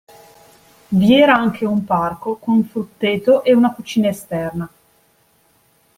Vi era anche un parco con frutteto e una cucina esterna.